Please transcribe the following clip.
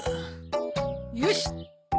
よし。